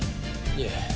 いえ